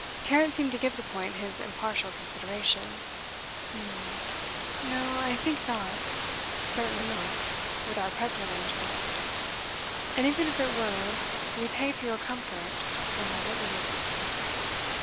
Tarrant seemed to give the point his impartial consideration. 'H'm no, I think not. Certainly not, with our present arrangements. And even if it were we pay for your comfort, and my liberty.